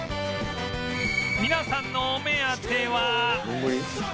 皆さんのお目当ては